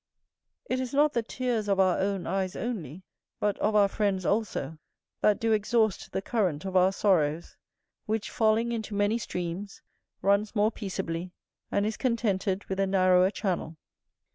It is not the tears of our own eyes only, but of our friends also, that do exhaust the current of our sorrows; which, falling into many streams, runs more peaceably, and is contented with a narrower channel.